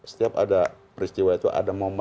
setiap ada peristiwa itu ada momen